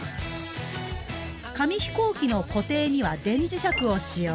紙飛行機の固定には電磁石を使用。